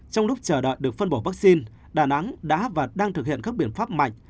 trong lúc chờ đợi được phân bổ vaccine đà nẵng đã và đang thực hiện các biện pháp mạnh